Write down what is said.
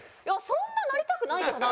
そんななりたくないかな？